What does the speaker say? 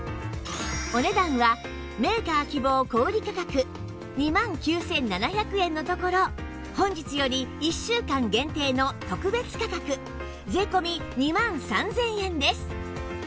お値段はメーカー希望小売価格２万９７００円のところ本日より１週間限定の特別価格税込２万３０００円です